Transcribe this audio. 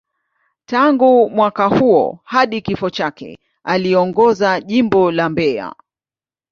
Tangu mwaka huo hadi kifo chake, aliongoza Jimbo la Mbeya.